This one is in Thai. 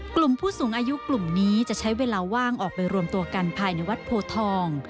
กลุ่มผู้สูงอายุกลุ่มนี้จะใช้เวลาว่างออกไปรวมตัวกันภายในวัดโพทอง